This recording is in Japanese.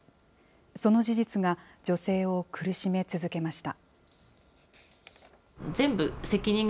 その事実が女性を苦しめ続けました。